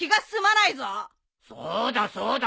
そうだそうだ。